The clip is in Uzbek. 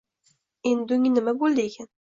Endi unga nima bo‘ldiykin?